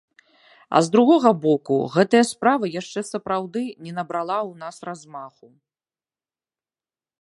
А з другога боку, гэтая справа яшчэ сапраўды не набрала ў нас размаху.